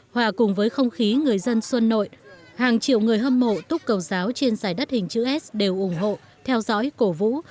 hòa cùng với không khí người dân xuân nội hàng triệu người hâm mộ túc cầu giáo trên giải đất hình chữ s đều ủng hộ theo dõi cổ vũ